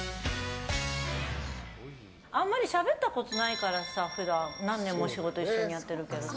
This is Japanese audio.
あんまりしゃべったことないからさ何年も仕事一緒にやってるけどさ。